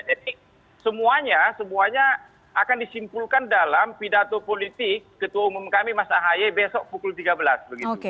jadi semuanya semuanya akan disimpulkan dalam pidato politik ketua umum kami mas ahaye besok pukul tiga belas begitu